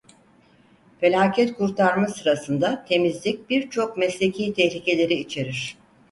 Felaket kurtarma sırasında temizlik birçok mesleki tehlikeleri içerir.